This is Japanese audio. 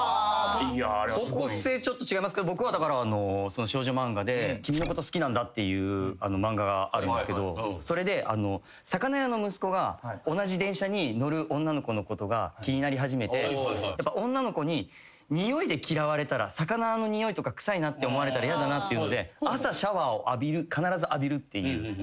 方向性ちょっと違いますけど僕は少女漫画で『きみのことすきなんだ』って漫画があるんですけど魚屋の息子が同じ電車に乗る女の子のことが気になり始めてやっぱ女の子ににおいで嫌われたら魚のにおいとか臭いなって思われたら嫌だなっていうので朝シャワーを必ず浴びるっていう。